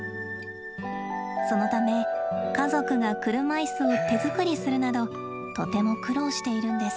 そのため家族が車椅子を手作りするなどとても苦労しているんです。